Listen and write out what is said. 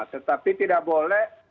tetapi tidak boleh